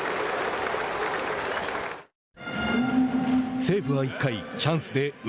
西武は１回、チャンスで呉。